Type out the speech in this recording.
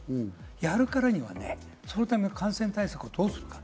やるからには感染対策をどうするか。